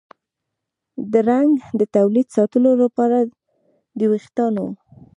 د رنګ د تولید ساتلو لپاره د ویښتانو